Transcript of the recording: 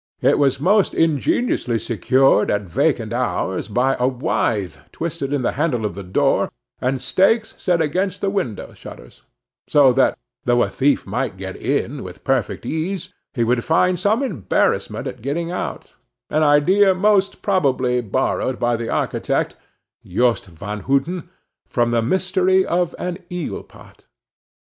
It was most ingeniously secured at vacant hours, by a withe twisted in the handle of the door, and stakes set against the window shutters; so that though a thief might get in with perfect ease, he would find some embarrassment in getting out, an idea most probably borrowed by the architect, Yost Van Houten, from the mystery of an eelpot.